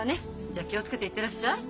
じゃあ気を付けて行ってらっしゃい。